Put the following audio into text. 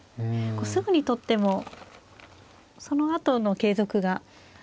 すぐに取ってもそのあとの継続が。